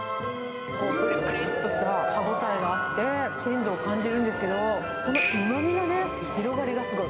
ぷりっぷりっとした歯ごたえがあって、鮮度を感じるんですけど、そのうまみのね、広がりがすごい。